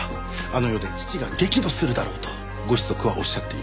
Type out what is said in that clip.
あの世で父が激怒するだろうとご子息はおっしゃっています。